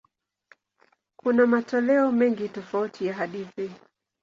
Kuna matoleo mengi tofauti ya hadithi.